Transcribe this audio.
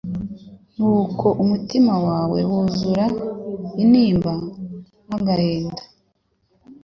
nuko umutima we wuzura intimba n'agahinda